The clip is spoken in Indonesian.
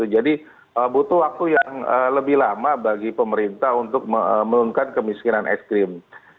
jadi butuh waktu yang lebih lama bagi pemerintah untuk melunakan kemiskinan ekstrim